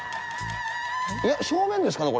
正面ですかね？